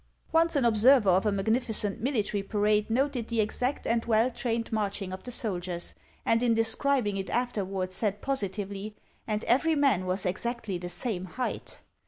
'* Once an observer of a magnificent military parade noted 268 THE TECHNIQUE OF THE MYSTERY STORY the exact and well trained marching of the soldiers; and in describing it afterward, said positively, "And every man was exactly the same height."